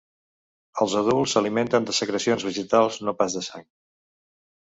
Els adults s'alimenten de secrecions vegetals no pas de sang.